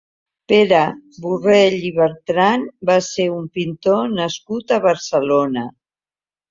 Pere Borrell i Bertran va ser un pintor nascut a Barcelona.